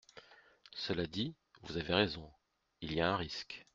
Cela dit, vous avez raison : il y a un risque.